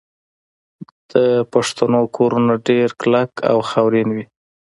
د پښتنو کورونه ډیر کلک او خاورین وي.